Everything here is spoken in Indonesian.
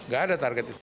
ga ada target